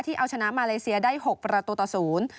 เอาชนะมาเลเซียได้๖ประตูต่อศูนย์